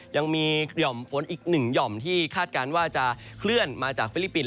ยังมีหย่อมฝนอีกหนึ่งหย่อมที่คาดการณ์ว่าจะเคลื่อนมาจากฟิลิปปินส